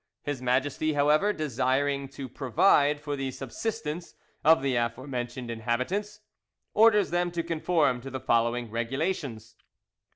His Majesty, however, desiring to provide for the subsistence of the afore mentioned inhabitants, orders them to conform to the following regulations.